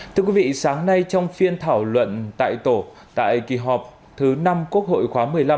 thưa quý vị sáng nay trong phiên thảo luận tại tổ tại kỳ họp thứ năm quốc hội khóa một mươi năm